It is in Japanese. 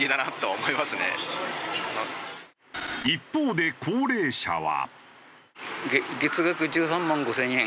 一方で高齢者は。